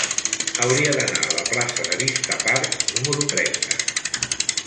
Hauria d'anar a la plaça de Vista Park número trenta.